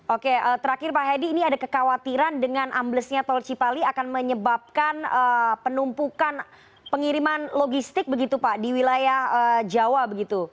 oke terakhir pak hedi ini ada kekhawatiran dengan amblesnya tol cipali akan menyebabkan penumpukan pengiriman logistik begitu pak di wilayah jawa begitu